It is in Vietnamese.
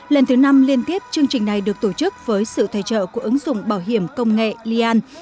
lần thứ năm liên tiếp chương trình này được tổ chức với sự thay trợ của ứng dụng bảo hiểm công nghệ lian